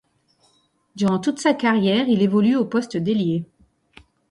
Durant toute sa carrière, il évolue au poste d'ailier.